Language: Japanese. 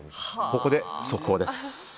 ここで速報です。